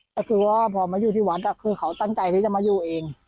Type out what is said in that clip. แต่คือว่าพอมาอยู่ที่วัดคือเขาตั้งใจที่จะมาอยู่เอง